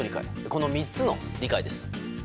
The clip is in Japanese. この３つの理解です。